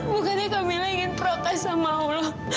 bukannya kamila ingin protes sama allah